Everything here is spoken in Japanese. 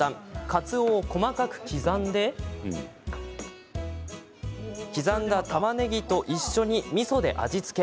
かつおを細かく刻んで刻んだ、たまねぎと一緒にみそで味付け。